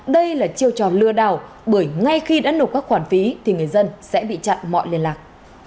đây là chiêu trò lừa đảo bởi ngay khi đã nộp các khoản phí thì người dân sẽ bị chặn mọi liên lạc